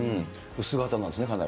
薄型なんですね、かなり。